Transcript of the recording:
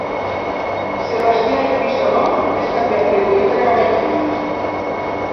Sebastià i Crisògon, és també atribuït a Cavallini.